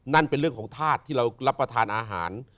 นั่นเป็นเรื่องของธาตุที่เรารับประทานอาหาร